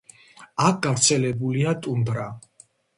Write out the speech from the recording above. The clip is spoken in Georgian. აქ გავრცელებულია ტუნდრა.